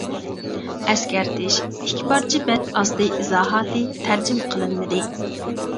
ئەسكەرتىش:ئىككى پارچە بەت ئاستى ئىزاھاتى تەرجىمە قىلىنمىدى.